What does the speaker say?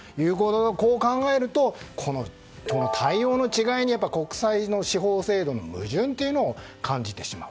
こう考えると対応の違いに国際司法制度の矛盾というのを感じてしまう。